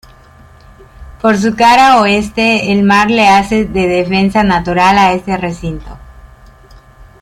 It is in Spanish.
Por su cara oeste, el mar le hace de defensa natural a este recinto.